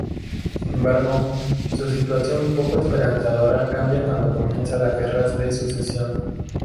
Sin embargo, su situación poco esperanzadora cambia cuando comienza la Guerra de Secesión.